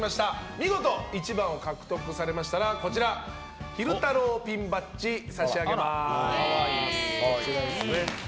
見事１番を獲得されましたら昼太郎ピンバッジ差し上げます。